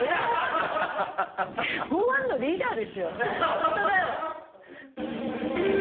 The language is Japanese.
ホントだよ。